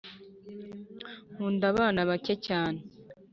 Nkunda abana be cyane